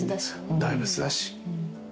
大仏だし。